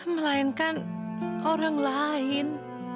melainkan orang lain